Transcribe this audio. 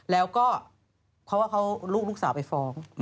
แล้วก็เพราะว่าเขาลูกสาวไปฟ้อง